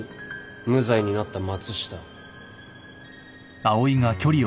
無罪になった松下を。